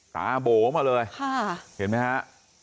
ตราโบแม่งมาเลย